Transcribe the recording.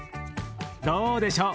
どうでしょう？